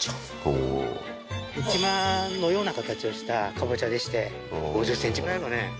ヘチマのような形をしたかぼちゃでして５０ｃｍぐらいかね